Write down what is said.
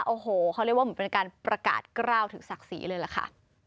โอ้โหเขาเรียกว่าเหมือนเป็นการประกาศกล้าวถึงศักดิ์ศรีเลยล่ะค่ะ